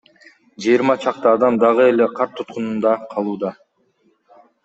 Жыйырма чакты адам дагы эле кар туткунунда калууда.